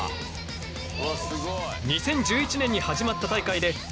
２０１１年に始まった大会で。